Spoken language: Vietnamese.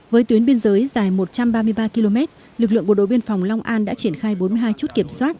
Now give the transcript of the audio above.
với tuyến biên giới dài một trăm ba mươi ba km lực lượng bộ đội biên phòng long an đã triển khai bốn mươi hai chút kiểm soát